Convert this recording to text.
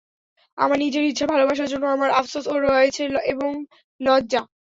আমার নিজের ইচ্ছার ভালবাসার জন্য আমার আফসোস ও রয়েছে এবং লজ্জা।